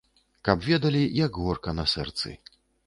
Каб ведалі, як горка на сэрцы.